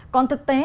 còn thực tế